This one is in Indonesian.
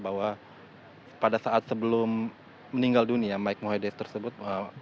bahwa pada saat sebelum meninggal dunia mike mohedesh tersebut